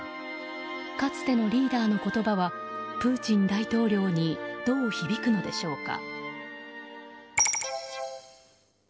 かつてのリーダーの言葉はプーチン大統領にどう響くのでしょうか。